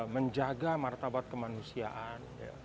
menjaga martabat kemanusiaan